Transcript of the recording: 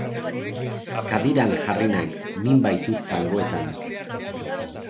Kadiran jarri naiz, min baitut zangoetan.